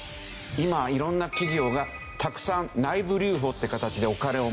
今色んな企業がたくさん内部留保って形でお金を持ってる。